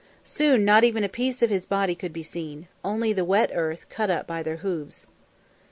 Soon not even a piece of his body could be seen only the wet earth cut up by their hoofs.